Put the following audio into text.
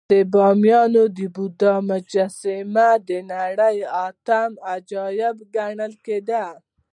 د بامیانو د بودا مجسمې د نړۍ اتم عجایب ګڼل کېدې